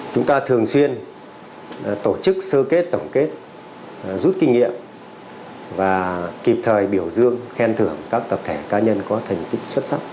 chúng ta thường xuyên tổ chức sơ kết tổng kết rút kinh nghiệm và kịp thời biểu dương khen thưởng các tập thể cá nhân có thành tích xuất sắc